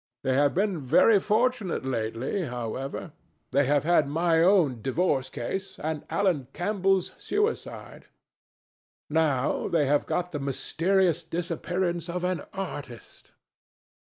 They have been very fortunate lately, however. They have had my own divorce case and Alan Campbell's suicide. Now they have got the mysterious disappearance of an artist.